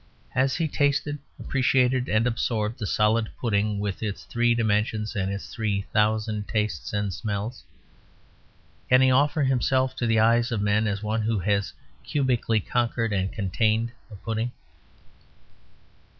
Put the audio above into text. Has he tasted, appreciated, and absorbed the solid pudding, with its three dimensions and its three thousand tastes and smells? Can he offer himself to the eyes of men as one who has cubically conquered and contained a pudding?